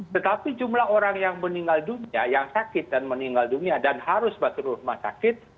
tetapi jumlah orang yang meninggal dunia yang sakit dan meninggal dunia dan harus masuk rumah sakit